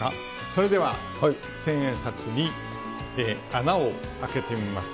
それでは、千円札に穴を開けてみます。